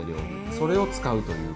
それを使うというか。